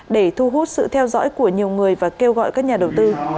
để thu hút sự theo dõi của nhiều người và kêu gọi các nhà đầu tư